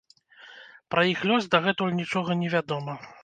Пра іх лёс дагэтуль нічога невядома.